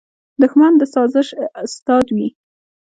دښمن د سازش استاد وي